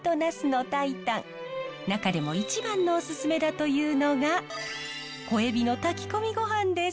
中でも一番のオススメだというのが小エビの炊き込みごはんです。